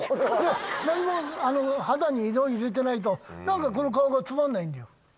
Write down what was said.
何も肌に色入れてないと何かこの顔がつまんないんだよ。